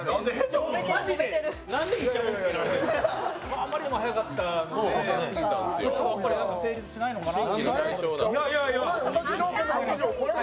あまりにも早かったのでこれは成立しないのかな。